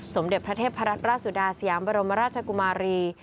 สมเด็จพระเทพรสุดาเสียงบรมราชกุมารี